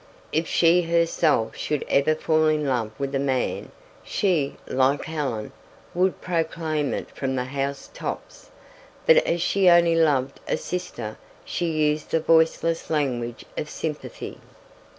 If she herself should ever fall in love with a man, she, like Helen, would proclaim it from the house tops, but as she only loved a sister she used the voiceless language of sympathy.